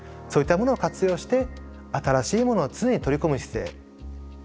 そういったものを活用して新しいものを常に取り込む姿勢。